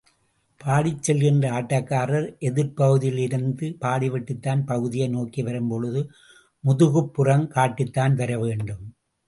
பாடிச் செல்கின்ற ஆட்டக்காரர் எதிர்ப்பகுதியில் இருந்து பாடிவிட்டுத் தன் பகுதியை நோக்கி வரும் பொழுது, முதுகுப்புறம் காட்டித்தான் வரவேண்டும்.